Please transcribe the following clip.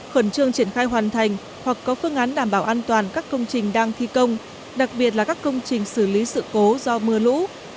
khẩn trương triển khai hoàn thành hoặc có phương án đảm bảo an toàn các công trình đang thi công đặc biệt là các công trình xử lý sự cố do mưa lũ